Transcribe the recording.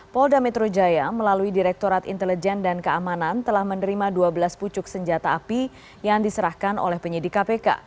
polda metro jaya melalui direktorat intelijen dan keamanan telah menerima dua belas pucuk senjata api yang diserahkan oleh penyidik kpk